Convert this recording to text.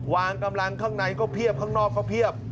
วางกำลังข้างในก็เพียบข้างนอกก็เพียบ